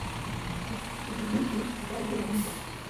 Kudhibiti idadi ya mbwa